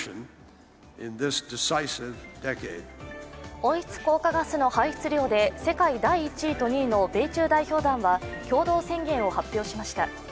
温室効果ガスの排出量で世界第１位と第２位の米中代表団は共同宣言を発表しました。